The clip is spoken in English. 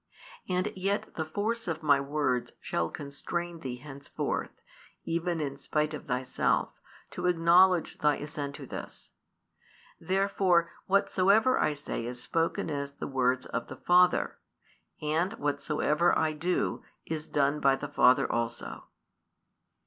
And yet the force of my words shall constrain thee henceforth, even in spite of thyself, to acknowledge thy assent to this. Therefore, whatsoever I say is spoken as the words of the Father; and whatsoever I do, is done by the Father also."